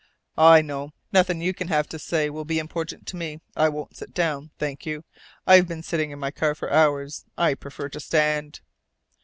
"I know. Nothing you can have to say will be important to me. I won't sit down, thank you. I've been sitting in my car for hours. I prefer to stand."